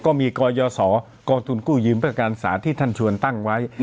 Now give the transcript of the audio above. ก็มีกรยศกองทุนกู้ยืมเพื่อการศาสตร์ที่ท่านชวนตั้งไว้